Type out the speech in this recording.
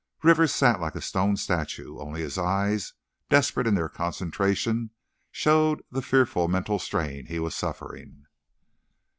Rivers sat like a stone statue, only his eyes, desperate in their concentration, showed the fearful mental strain he was suffering.